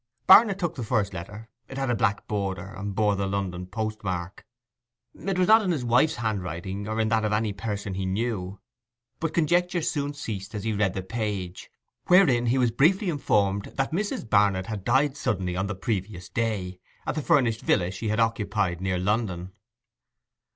Barnet took the first letter—it had a black border, and bore the London postmark. It was not in his wife's handwriting, or in that of any person he knew; but conjecture soon ceased as he read the page, wherein he was briefly informed that Mrs. Barnet had died suddenly on the previous day, at the furnished villa she had occupied near London.